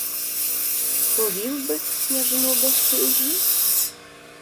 — Повів би-с княжну до хижі?